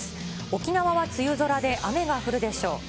沖縄は梅雨空で、雨が降るでしょう。